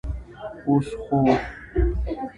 اوس خو.